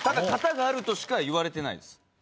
「型がある」としか言われてないです。